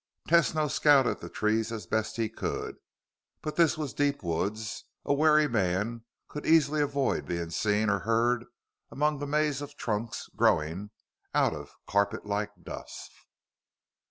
Tesno scouted the trees as best he could. But this was deep woods. A wary man could easily avoid being seen or heard among the maze of trunks growing out of carpetlike duff.